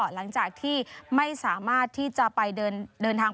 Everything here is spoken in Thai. หลังจากที่ไม่สามารถที่จะไปเดินทาง